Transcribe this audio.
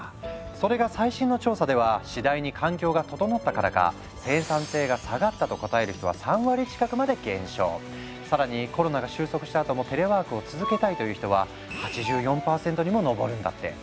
それが最新の調査では次第に環境が整ったからか「生産性が下がった」と答える人は更に「コロナが収束したあともテレワークを続けたい」という人は８４％にも上るんだって。